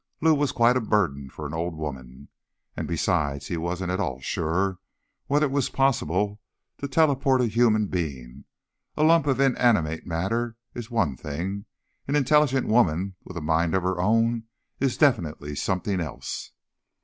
Lou was quite a burden for the old woman. And besides, he wasn't at all sure whether it was possible to teleport a human being. A lump of inanimate matter is one thing; an intelligent woman with a mind of her own is definitely something else.